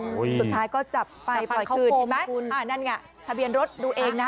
สุดท้ายก็จับไปปล่อยคืนไหมอ่านั่นไงทะเบียนรถดูเองนะ